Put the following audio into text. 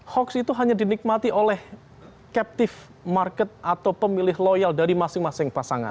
hoax itu hanya dinikmati oleh captive market atau pemilih loyal dari masing masing pasangan